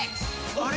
あれ？